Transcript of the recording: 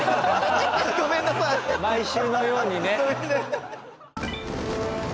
毎週のようにね。